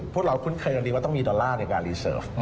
พวกเราคุ้นเคยกันดีว่าต้องมีดอลลาร์ในการรีเสิร์ฟ